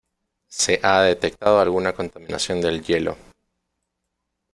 Se ha detectado alguna contaminación del hielo.